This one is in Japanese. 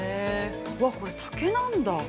わっ、これ竹なんだ。